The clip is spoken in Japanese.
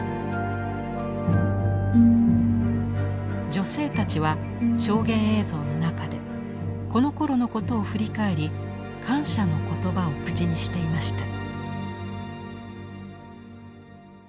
女性たちは証言映像の中でこのころのことを振り返り感謝の言葉を口にしていました。